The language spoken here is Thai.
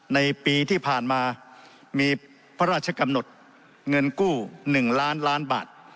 ในปีที่ผ่านมามีพระราชกำหนดเงินกู้๑ล้านล้านบาท